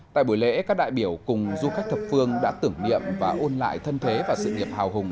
tại buổi lễ các đại biểu cùng du khách thập phương đã tưởng niệm và ôn lại thân thế và sự nghiệp hào hùng